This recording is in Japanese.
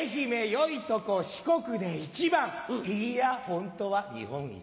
よいとこ四国で一番いいやホントは日本一。